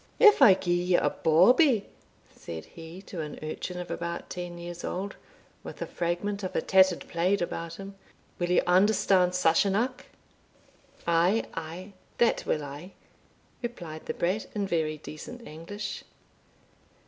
"If I gie ye a bawbee," said he to an urchin of about ten years old, with a fragment of a tattered plaid about him, "will you understand Sassenach?" "Ay, ay, that will I," replied the brat, in very decent English.